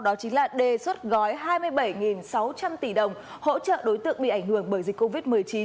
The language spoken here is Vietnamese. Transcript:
đó chính là đề xuất gói hai mươi bảy sáu trăm linh tỷ đồng hỗ trợ đối tượng bị ảnh hưởng bởi dịch covid một mươi chín